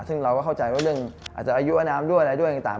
ซึ่งเราก็เข้าใจว่าเรื่องอาจจะอายุอนามด้วยอะไรด้วยต่าง